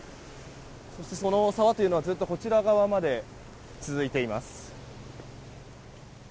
そして、その沢というのはずっとこちら側まで続いています。